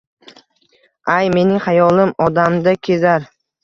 ay, mening xayolim Odamda kezar.